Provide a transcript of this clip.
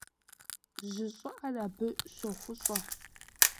Жьы щӀыӀэр абы щохъущӀэ.